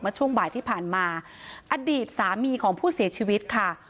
ช่วงบ่ายที่ผ่านมาอดีตสามีของผู้เสียชีวิตค่ะ